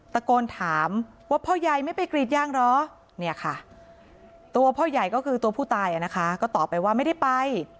ตะโกนถามว่าพ่อใหญ่ไม่ไปกรีดยางเหรอเนี่ยค่ะตัวพ่อใหญ่ก็คือตัวผู้ตายนะคะก็ตอบไปว่าไม่ได้ไป